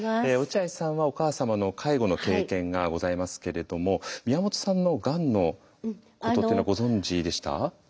落合さんはお母様の介護の経験がございますけれども宮本さんのがんのことっていうのはご存じでした？